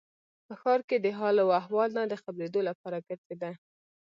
په ښار کې د حال و احوال نه د خبرېدو لپاره ګرځېده.